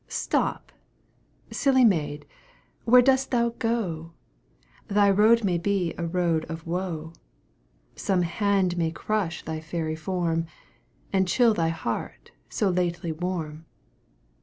Stop, silly maid! where dost thou go? Thy road may be a road of woe: Some hand may crush thy fairy form, And chill thy heart so lately warm.